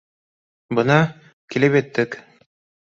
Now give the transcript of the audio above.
Бына, килеп еттек